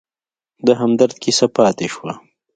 د همدرد کیسه پاتې شوه.